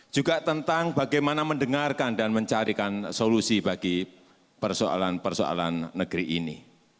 juga tentang bagaimana mendengarkan dan mencarikan solusi bagi persoalan persoalan negeri ini